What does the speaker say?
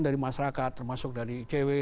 dari masyarakat termasuk dari icw